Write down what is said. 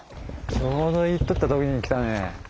ちょうど言っとった時に来たね。